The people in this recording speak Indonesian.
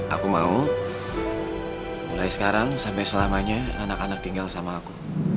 aku mau mulai sekarang sampai selamanya anak anak tinggal sama aku